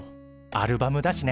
アルバムだしね。